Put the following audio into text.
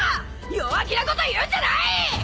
弱気なこと言うんじゃない！